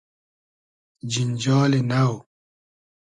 جینجالی نۆ